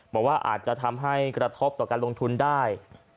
บอกว่าอาจจะทำให้กระทบต่อการลงทุนได้